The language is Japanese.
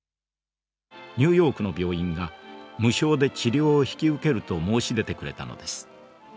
ニューヨークの病院が無償で治療を引き受けると申し出てくれたのです。